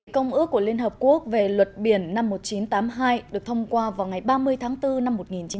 công ước của liên hợp quốc về luật biển năm một nghìn chín trăm tám mươi hai được thông qua vào ngày ba mươi tháng bốn năm một nghìn chín trăm tám mươi hai